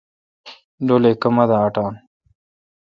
ڈولے کما دا اٹان۔